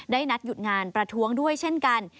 นัดหยุดงานประท้วงด้วยเช่นกัน